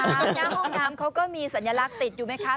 เอาหน้าห้องน้ำเขาก็มีสัญลักษณ์ติดอยู่ไหมคะ